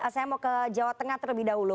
saya mau ke jawa tengah terlebih dahulu